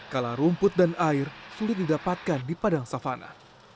kalau rumput dan air sulit didapatkan di padang sapana